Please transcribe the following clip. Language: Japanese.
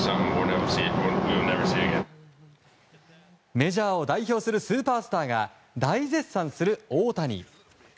メジャーを代表するスーパースターが大絶賛する大谷。